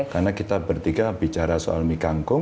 karena kita bertiga bicara soal mikangkung